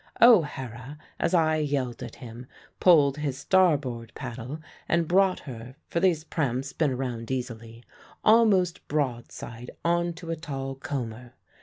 O'Hara, as I yelled at him, pulled his starboard paddle and brought her (for these prams spin round easily) almost broadside on to a tall comber.